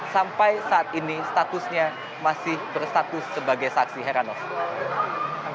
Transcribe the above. sampai saat ini statusnya masih bersatu sebagai saksi herano